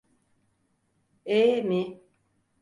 Ee mi?